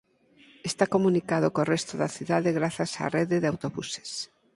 Está comunicado co resto da cidade grazas á rede de autobuses.